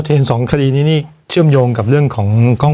วันนี้แม่ช่วยเงินมากกว่า